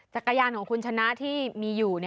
จักรยานของคุณชนะที่มีอยู่